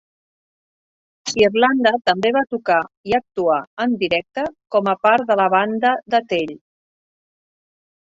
Irlanda també va tocar i actuar en directe com a part de la banda de Tell.